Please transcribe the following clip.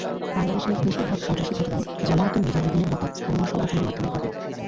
বাংলাদেশে বেশির ভাগ সন্ত্রাসী ঘটনাই জামাআতুল মুজাহিদীনের মতো স্থানীয় সংগঠনের মাধ্যমে ঘটে।